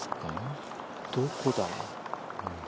どこだ？